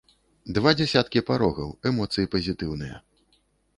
Два дзясяткі парогаў, эмоцыі пазітыўныя.